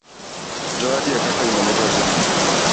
Zawadi ya kaka imeletwa jana.